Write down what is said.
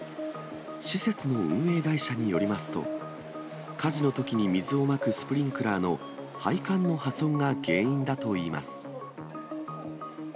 施設の運営会社によりますと、火事のときに水をまくスプリンクラーの配管の破損が原因だといいます。